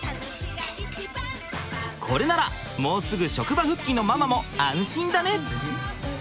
これならもうすぐ職場復帰のママも安心だね！